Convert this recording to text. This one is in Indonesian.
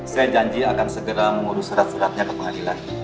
saya janji akan segera mengurus surat suratnya ke pengadilan